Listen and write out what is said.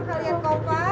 jadi tolong kalian kompa